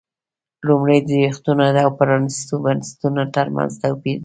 لومړی د زبېښونکو او پرانیستو بنسټونو ترمنځ توپیر دی.